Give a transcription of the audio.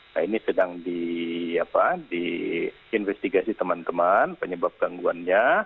nah ini sedang diinvestigasi teman teman penyebab gangguannya